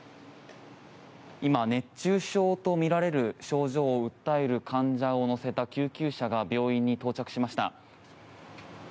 今、熱中症とみられる症状を訴える患者を乗せた救急車が病院に到着しました。